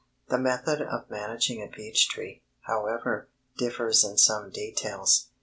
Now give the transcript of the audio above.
The method of managing a peach tree, however, differs in some details.